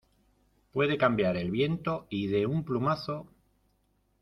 puede cambiar el viento y de un plumazo